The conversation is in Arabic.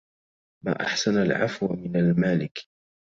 ما أحسن العفو من المالك